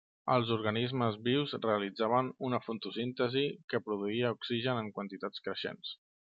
Els organismes vius realitzaven una fotosíntesi que produïa oxigen en quantitats creixents.